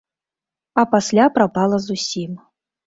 А пасля прапала зусім.